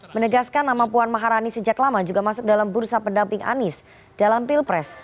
menegaskan nama puan maharani sejak lama juga masuk dalam bursa pendamping anies dalam pilpres